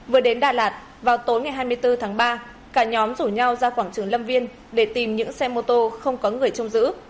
vừa đến đà lạt vào tối ngày hai mươi bốn tháng ba cả nhóm rủ nhau ra quảng trường lâm viên để tìm những xe mô tô không có người trông giữ